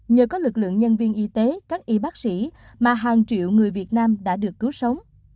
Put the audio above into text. nhờ có lực lượng nhân viên y tế các y bác sĩ mà hàng triệu người việt nam đã được cứu sống